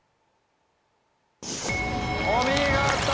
お見事！